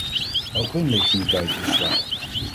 Ook hun legitimiteit is zwak.